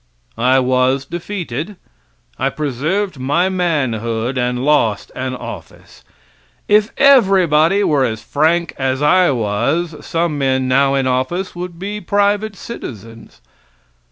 I was defeated. I preserved my manhood and lost an office. If everybody were as frank as I was, some men now in office would be private citizens.